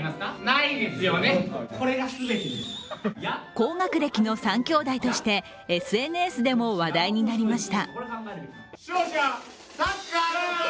高学歴の３兄弟としてＳＮＳでも話題になりました。